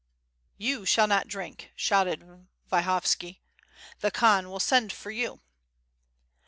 "You shall not drink," shouted Vyhovski, "the Khan will send for you."